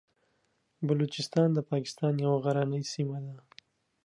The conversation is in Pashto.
بلوچستان د پاکستان یوه غرنۍ سیمه ده.